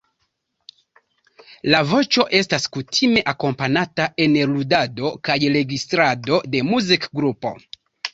La voĉo estas kutime akompanata en ludado kaj registrado de muzikgrupo.